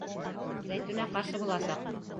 Зәйтүнә ҡаршы буласаҡ.